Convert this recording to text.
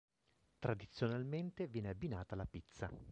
Tradizionalmente viene abbinata alla pizza.